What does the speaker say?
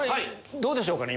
どうでしょうかね？